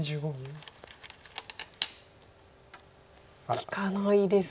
利かないですね。